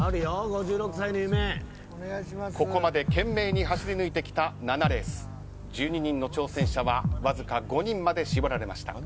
ここまで懸命に走り抜いてきた７レース１２人の挑戦者はわずか５人まで絞られました。